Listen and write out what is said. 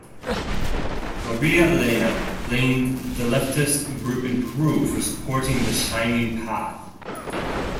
Maria Elena blamed the leftist group in Peru for supporting the Shining Path.